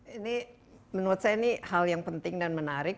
ini menurut saya ini hal yang penting dan menarik